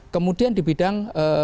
kemudian di bidang